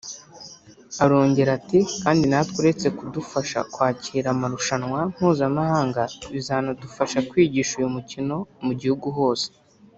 Arongera ati “kandi natwe uretse kudufasha kwakira amarushanwa mpuzamahanga bizanadufasha kwigisha uyu mukino mu gihugu hose